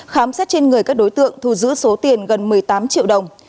khám xét trên người các đối tượng thu giữ số tiền gần một mươi tám triệu đồng